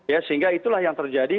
ya sehingga itulah yang terjadi